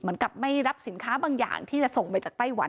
เหมือนกับไม่รับสินค้าบางอย่างที่จะส่งไปจากไต้หวัน